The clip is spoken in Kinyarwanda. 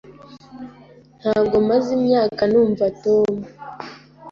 Ntabwo maze imyaka numva Tom.